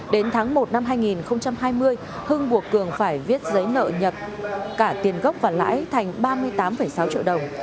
đến tháng một năm hai nghìn hai mươi hưng buộc cường phải viết giấy nợ nhập cả tiền gốc và lãi thành ba mươi tám sáu triệu đồng